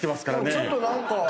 ちょっと何か。